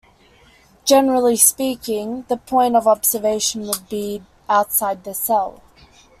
Generally speaking the point of observation would be outside the cell.